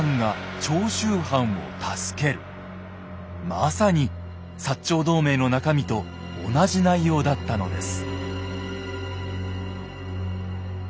まさに長同盟の中身と同じ内容だったのです。